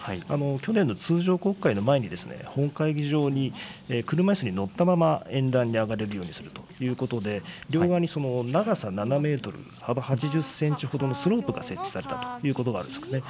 去年の通常国会の前に、本会議場に車いすに乗ったまま、演壇に上がれるようにするということで、両側に長さ７メートル、幅８０センチほどのスロープが設置されたということがあるんですね。